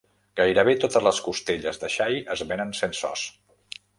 Gairebé totes les costelles de xai es venen sense os.